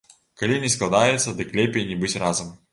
Калі не складаецца, дык лепей не быць разам.